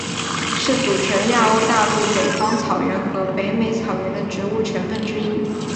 是组成欧亚大陆北方草原和北美草原的植物成分之一。